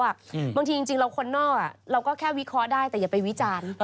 บางทีจริงเราคนนอกเราก็แค่วิเคราะห์ได้แต่อย่าไปวิจารณ์